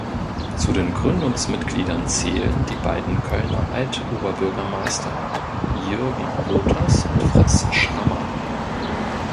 Zu den Gründungsmitgliedern zählen die beiden Kölner Alt-Oberbürgermeister Jürgen Roters und Fritz Schramma.